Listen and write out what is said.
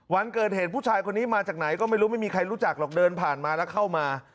วันเกิดเหตุผู้ชายคนนี้มาจากไหนก็ไม่รู้ไม่มีใครรู้จักหรอกเดินผ่านมาแล้วเข้ามา